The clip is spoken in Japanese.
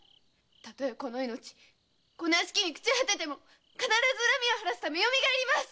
たとえこの命この屋敷に朽ち果てても必ず恨みを晴らすためよみがえります！